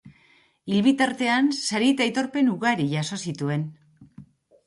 Hil bitartean, sari eta aitorpen ugari jaso zituen.